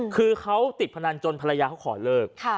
คือเขาติดพนันจนภรรยาเขาขอเลิก